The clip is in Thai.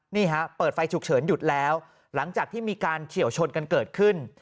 นี่ฮะเปิดไฟฉุกเฉินหยุดแล้วหลังจากที่มีการเฉียวชนกันเกิดขึ้น